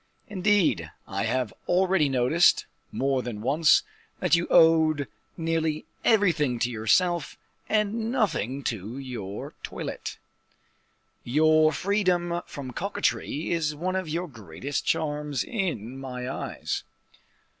"Indeed, I have already noticed, more than once, that you owed nearly everything to yourself and nothing to your toilette. Your freedom from coquetry is one of your greatest charms in my eyes."